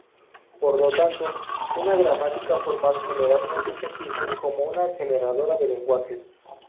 Por lo tanto, una gramática formal generalmente se piensa como una generadora de lenguajes.